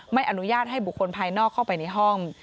ไม่อนุญาตให้บุคคลภายนอกเข้าไปในห้อง